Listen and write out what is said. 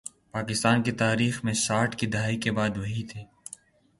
پاکستان کی تاریخ میں ساٹھ کی دہائی کے بعد، وہی تھے۔